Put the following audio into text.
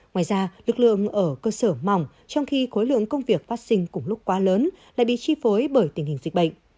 ngoài ra lực lượng ở cơ sở mỏng trong khi khối lượng công việc phát sinh cùng lúc quá lớn lại bị chi phối bởi tình hình dịch bệnh